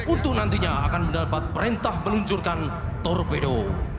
untuk nantinya akan mendapat perintah meluncurkan torpedo